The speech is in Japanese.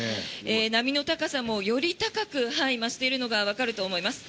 波の高さも、より高く増しているのがわかると思います。